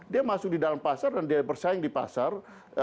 dia masuk di dalam pasar dan dia bersaing di pasar